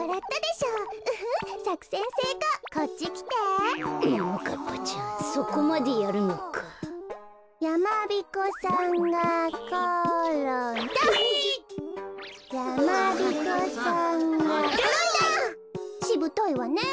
しぶといわねえ。